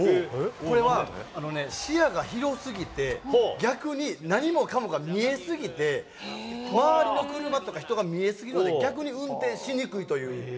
これは視野が広すぎて、逆に何もかもが見え過ぎて、周りの車とか人が見え過ぎるので、逆に運転しにくいという。